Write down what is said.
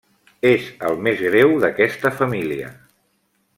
És el més greu d'aquesta família.